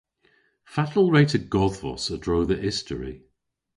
Fatel wre'ta godhvos a-dro dhe istori?